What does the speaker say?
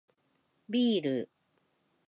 ビール